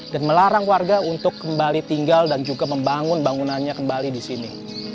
dan melarang warga untuk kembali tinggal dan juga membangun bangunannya kembali di sini